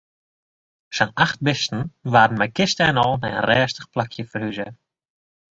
Sa'n acht bisten waarden mei kiste en al nei in rêstich plakje ferhuze.